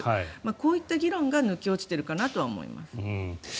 こういった議論が抜け落ちているかなとは思います。